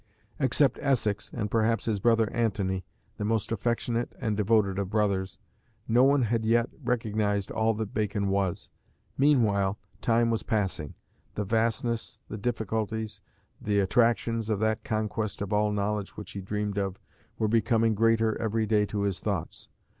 Except Essex, and perhaps his brother Antony the most affectionate and devoted of brothers no one had yet recognised all that Bacon was. Meanwhile time was passing. The vastness, the difficulties, the attractions of that conquest of all knowledge which he dreamed of, were becoming greater every day to his thoughts.